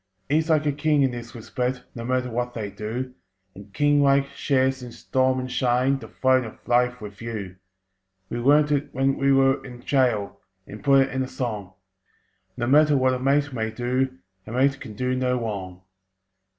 He's like a king in this respect (No matter what they do), And, king like, shares in storm and shine The Throne of Life with you. We learnt it when we were in gaol, And put it in a song: "No matter what a mate may do, A mate can do no wrong!"